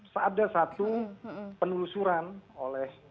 seada satu penelusuran oleh